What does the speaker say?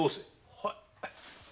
はい。